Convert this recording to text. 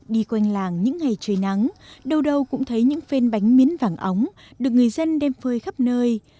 đi quanh làng những ngày trời nắng đâu đâu cũng thấy những phên bánh miến vàng ống được người dân đem phơi khắp nơi